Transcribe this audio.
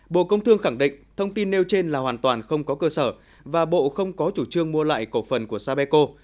bộ công thương khẳng định thông tin nêu trên là hoàn toàn không có cơ sở và bộ không có chủ trương mua lại cổ phần của sapeco